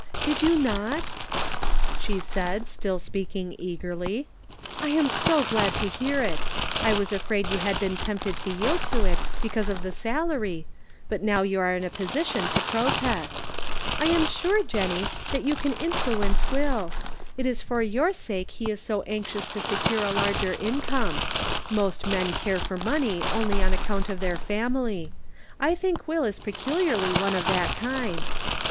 " Did you not ?" she said, still speaking 438 The Pocket Measure. eagerly ;" I am so glad to hear it ; I was afraid you had been tempted to yield to it because of the salary, but now you are in a position to protest. I am sure, Jennie, that you can influ ence Will. It is for your sake he is so anxious to secure a larger income. Most men care for money only on account of their family. I think Will is peculiarly one of that kind.